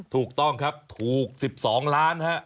ถูกต้องครับถูก๑๒ล้านฮะ